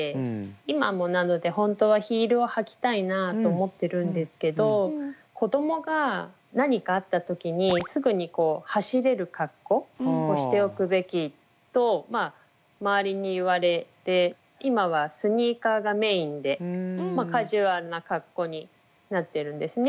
今もなので本当はヒールを履きたいなと思ってるんですけど子供が何かあった時にすぐに走れる格好をしておくべきと周りに言われて今はスニーカーがメインでカジュアルな格好になってるんですね。